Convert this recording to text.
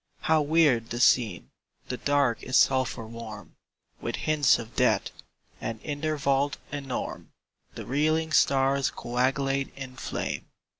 How weird the scene! The Dark is sulphur warm With hints of death; and in their vault enorme The reeling stars coagulate in flame.